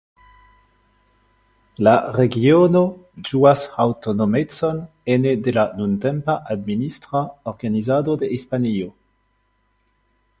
La regiono ĝuas aŭtonomecon ene de la nuntempa administra organizado de Hispanio.